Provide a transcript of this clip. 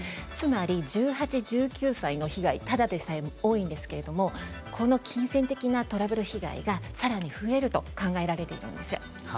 つまり１８歳１９歳の被害ただでさえ多いんですけれどもこの金銭的なトラブル被害がさらに増えると考えられています。